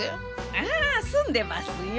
あすんでますよ。